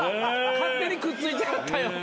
勝手にくっついてはったよ。